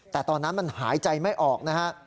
แต่ตอนนั้นมันหายใจไม่ออกนะฮะ